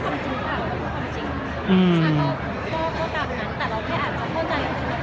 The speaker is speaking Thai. ฉันก็ก็ตามอย่างนั้นแต่เราแค่อาจจะโทษใจกับเขาแหละ